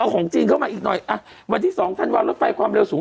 เอาของจีนเข้ามาอีกหน่อยอ่ะวันที่๒ธันวาลรถไฟความเร็วสูง